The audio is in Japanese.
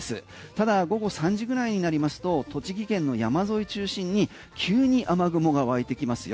ただ午後３時ぐらいになりますと栃木県の山沿い中心に急に雨雲が湧いてきますよ。